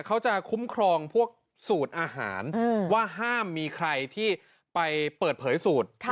เขาจะคุ้มครองพวกสูตรอาหารว่าห้ามมีใครที่ไปเปิดเผยสูตร